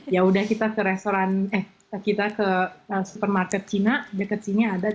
ya udah kita ke supermarket cina deket sini ada